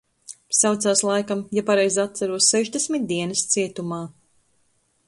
Saucās, laikam, ja pareizi atceros, sešdesmit dienas cietumā...